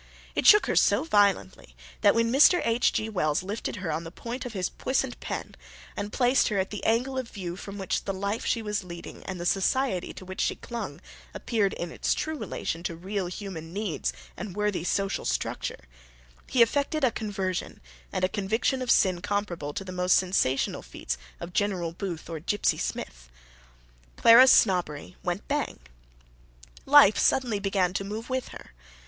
It shook her so violently, that when Mr. H. G. Wells lifted her on the point of his puissant pen, and placed her at the angle of view from which the life she was leading and the society to which she clung appeared in its true relation to real human needs and worthy social structure, he effected a conversion and a conviction of sin comparable to the most sensational feats of General Booth or Gypsy Smith. Clara's snobbery went bang. Life suddenly began to move with her.